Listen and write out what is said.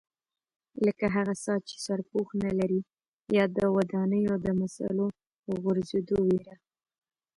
لکه هغه څاه چې سرپوښ نه لري یا د ودانیو د مسالو غورځېدو وېره.